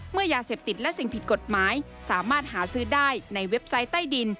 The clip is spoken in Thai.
ยาเสพติดและสิ่งผิดกฎหมายสามารถหาซื้อได้ในเว็บไซต์ใต้ดิน